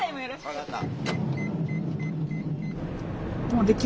分かった。